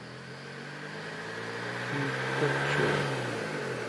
شیت کوتھ چویں ۔